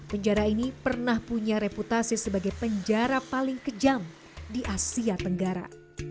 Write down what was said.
penjara ini pernah punya reputasi sebagai penjara paling kejam di asia tenggara